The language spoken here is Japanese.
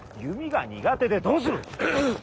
弓が苦手でどうする。